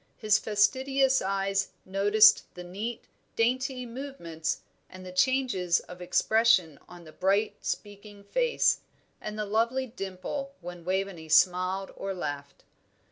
His fastidious eyes noticed the neat, dainty movements and the changes of expression on the bright, speaking face, and the lovely dimple when Waveney smiled or laughed.